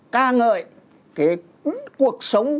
ca ngợi cái cuộc sống